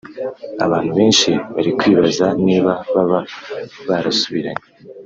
Abantu benshi bari kwibaza niba baba barasubiranye